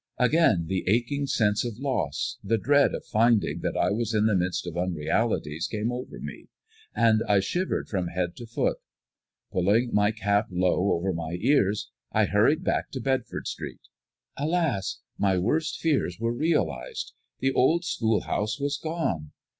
Again the aching sense of loss, the dread of finding that I was in the midst of unrealities came over me, and I shivered from head to foot. Pulling my cap low over my ears, I hurried back to Bedford Street. Alas! my worst fears were realized. The old schoolhouse was gone.